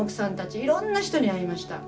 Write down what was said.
いろんな人に会いました。